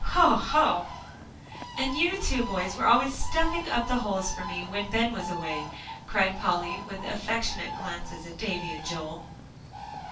Hoh hoh!" "And you two boys were always stuffing up the holes for me, when Ben was away," cried Polly, with affectionate glances at Davie and Joel.